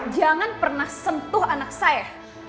jangan pernah sentuh anak saya